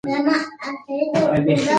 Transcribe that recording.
د لیکوالو لمانځنه زموږ کلتوري دنده ده.